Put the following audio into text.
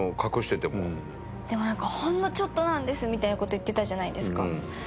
でもなんかほんのちょっとなんですみたいな事言ってたじゃないですか。